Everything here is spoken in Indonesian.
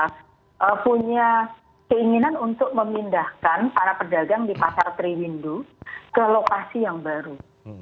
kita punya keinginan untuk memindahkan para pedagang di pasar triwindu ke lokasi yang baru